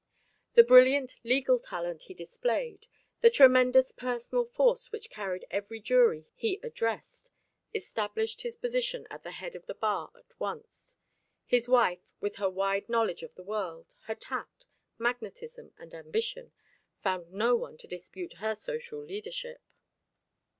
The brilliant legal talent he displayed, the tremendous personal force which carried every jury he addressed, established his position at the head of the bar at once. His wife, with her wide knowledge of the world, her tact, magnetism, and ambition, found no one to dispute her social leadership.